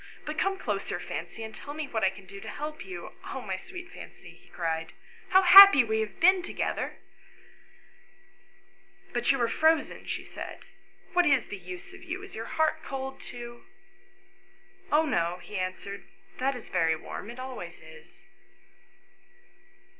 " But come closer, Fancy, and tell me what I can do to help you. Oh, my sweet Fancy," he cried, " how happy we have been to gether !"" But you are frozen," she said ;" what is the use of you ? Is your heart cold too ?" 126 ANYHOW STORIES. [STORY " Oh no," he answered, " that is very warm ; it always is."